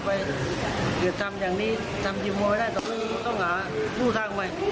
ทำอะไรได้ต่อไปหรือทำอย่างนี้ทำทีมมลงไปได้ต่อชั้นต้องหาลูกทางใหม่